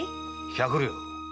百両。